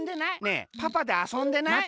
ねえパパであそんでない？